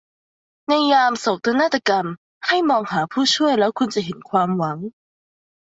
ในยามโศกนาฏกรรมให้มองหาผู้ช่วยแล้วคุณจะเห็นความหวัง